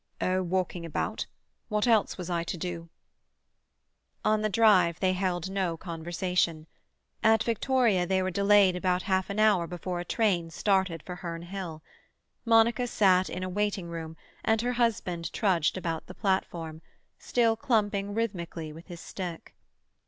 "Oh, walking about. What else was I to do?" On the drive they held no conversation. At Victoria they were delayed about half an hour before a train started for Herne Hill; Monica sat in a waiting room, and her husband trudged about the platform, still clumping rhythmically with his stick.